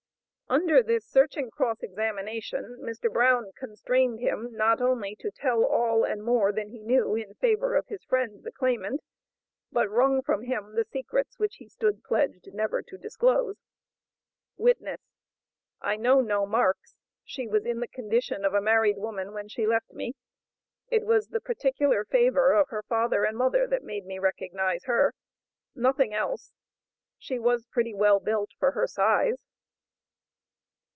Under this searching cross examination, Mr. Brown constrained him not only to tell all and more than he knew in favor of his friend, the claimant, but wrung from him the secrets which he stood pledged never to disclose. Witness. "I know no marks; she was in the condition of a married woman when she left me; it was the particular favor of her father and mother that made me recognize her; nothing else; she was pretty well built for her size."